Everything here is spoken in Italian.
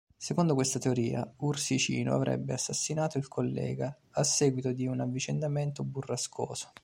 Secondo questa teoria, Ursicino avrebbe assassinato il collega a seguito di un avvicendamento burrascoso.